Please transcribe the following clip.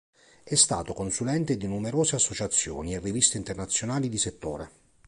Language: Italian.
È stato consulente di numerose associazioni e riviste internazionali di settore.